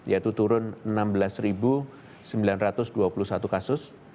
yaitu turun enam belas sembilan ratus dua puluh satu kasus